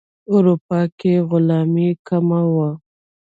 اروپا کې غلامي کمه وه.